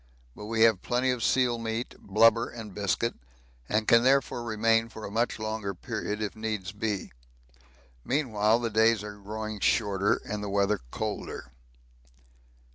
But we have plenty of seal meat, blubber and biscuit, and can therefore remain for a much longer period if needs be. Meanwhile the days are growing shorter and the weather colder.